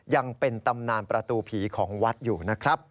ยังเป็นตำนานประตูผีของวัดอยู่นะครับ